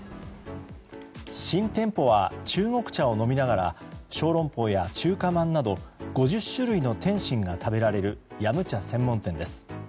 新店舗は中国茶を飲みながら小龍包や中華まんなど５０種類の点心が食べられる飲茶専門店です。